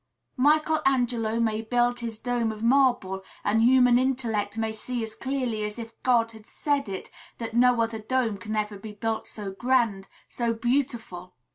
Michel Angelo may build his dome of marble, and human intellect may see as clearly as if God had said it that no other dome can ever be built so grand, so beautiful.